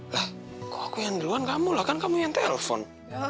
lah kok yang duluan kamu lah kan kamu yang telpon